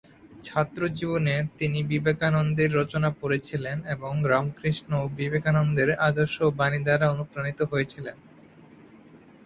ছাত্রজীবনে তিনি বিবেকানন্দের রচনা পড়েছিলেন এবং রামকৃষ্ণ ও বিবেকানন্দের আদর্শ ও বাণী দ্বারা অনুপ্রাণিত হয়েছিলেন।